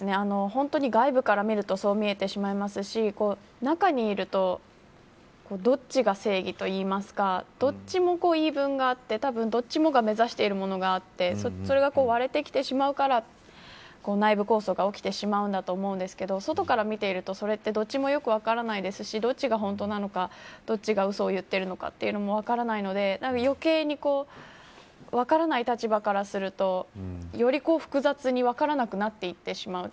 本当に外部から見るとそう見えてしまいますし中にいるとどっちが正義というかどっちも言い分があってどっちもが目指しているものがあってそれが割れてきてしまうから内部抗争が起きてしまうんだと思うんですけど外から見ていると、それってどっちもよく分からないですしどっちが本当なのかどっちがうそ言ってるのか分からないので余計に分からない立場からするとより複雑に分からなくなっていってしまう。